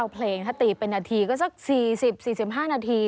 เพลงถ้าตีเป็นนาทีก็สัก๔๐๔๕นาที